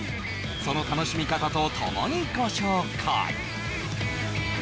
その楽しみ方とともにご紹介